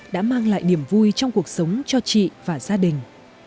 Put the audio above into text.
đã mang lại niềm vui trong cuộc sống cho chị và gia đình